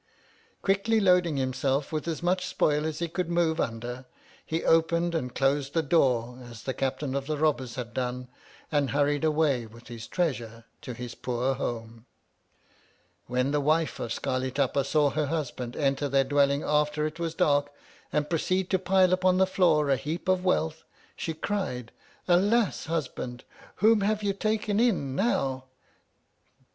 Quickly loading him self with as much spoil as he could move under, he opened and closed the door as the Captain of the Robbers had done, and hurried away with his treasure to his poor home. When the wife of Scarli Tapa saw her husband enter their dwelling after it was dark, and proceed to pile upon the floor a heap of wealth, she cried, Alas ! husband, whom have you taken in, now